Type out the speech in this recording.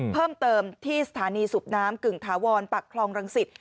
เพิ่มเติมที่สถานีสูบน้ำกึ่งถาวรปักคลองรังสิต